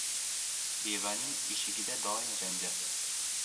• Bevaning eshigida doim janjal.